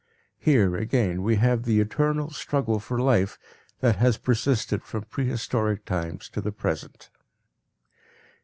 Here, again, we have the eternal struggle for life that has persisted from prehistoric times to the present.